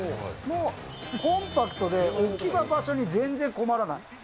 もうコンパクトで、置き場場所に全然困らない。